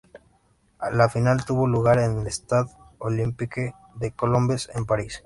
La final tuvo lugar en el Stade Olympique de Colombes en París.